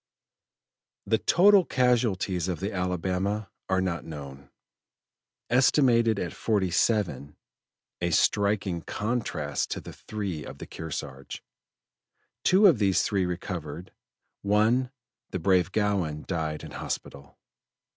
The total casualties of the Alabama are not known, estimated at forty seven a striking contrast to the three of the Kearsarge. Two of these three recovered; one, the brave Gowin, died in hospital.